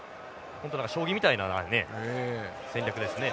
本当何か将棋みたいな戦略ですね。